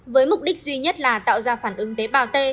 với mục đích duy nhất là tạo ra phản ứng tế bào t